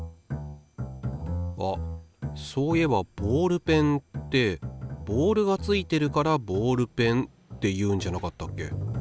あっそういえばボールペンってボールがついてるからボールペンっていうんじゃなかったっけ？